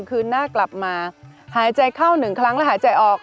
คืนหน้ากลับมาหายใจเข้าหนึ่งครั้งแล้วหายใจออก